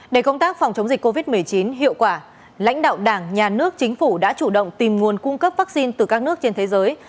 để công tác phòng chống dịch covid một mươi chín hiệu quả lãnh đạo đảng nhà nước chính phủ đã chủ động tìm nguồn cung cấp vaccine từ các nước trên thế giới